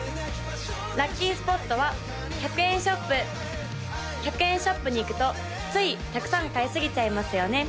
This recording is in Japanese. ・ラッキースポットは１００円ショップ１００円ショップに行くとついたくさん買いすぎちゃいますよね